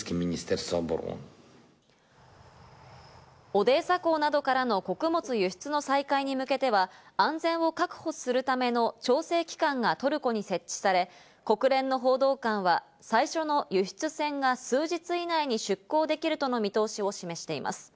オデーサ港などからの穀物輸出の再開に向けては、安全を確保するための調整機関がトルコに設置され、国連の報道官は最初の輸出船が数日以内に出港できるとの見通しを示しています。